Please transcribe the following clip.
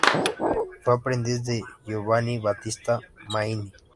Fue aprendiz de Giovanni Battista Maini.